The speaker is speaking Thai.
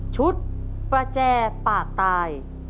ประแจปากตาย